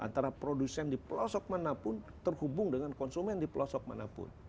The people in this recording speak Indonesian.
antara produsen di pelosok manapun terhubung dengan konsumen di pelosok manapun